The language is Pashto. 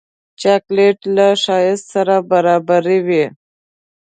چاکلېټ له ښایست سره برابر وي.